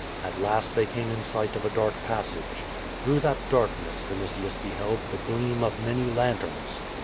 At last they came in sight of a dark passage. Through that darkness Vinitius beheld the gleam of many lanterns.